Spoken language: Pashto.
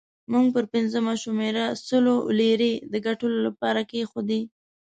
موږ پر پنځمه شمېره سلو لیرې د ګټلو لپاره کېښودې.